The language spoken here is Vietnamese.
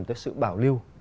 tới sự bảo lưu